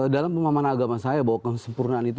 dalam pemahaman agama saya bahwa kesempurnaan itu